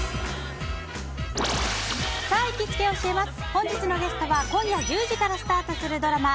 本日のゲストは今夜１０時からスタートするドラマ